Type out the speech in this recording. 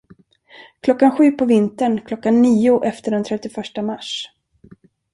Klockan sju på vintern, klockan nio efter den trettioförsta mars.